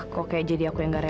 kok kayak jadi aku yang gak rek